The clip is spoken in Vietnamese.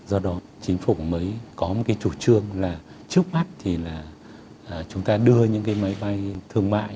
do đó chính phủ mới có một cái chủ trương là trước mắt thì là chúng ta đưa những cái máy bay thương mại